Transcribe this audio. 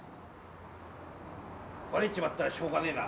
バレちまったらしょうがねえな。